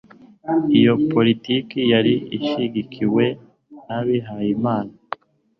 iyo politiki yari ishyigikiwe n'abihayimana